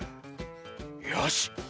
よし！